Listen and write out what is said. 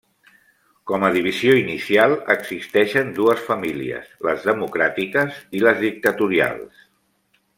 Com a divisió inicial, existeixen dues famílies: les democràtiques i les dictatorials.